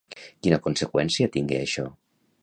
Quina conseqüència tingué això?